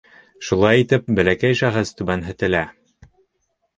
Шулай итеп, бәләкәй шәхес түбәнһетелә.